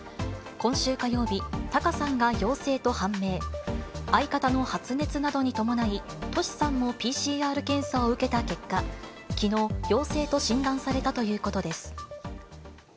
今週火曜日、タカさんが陽性と判明、相方の発熱などに伴い、トシさんもＰＣＲ検査を受けた結果、きのう、陽性と診断されたということです。